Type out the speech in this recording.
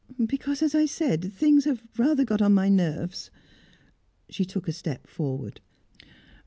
"Because, as I said, things have got rather on my nerves." She took a step forward.